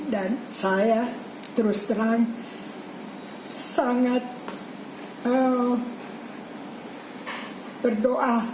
dan saya terus terang sangat berdoa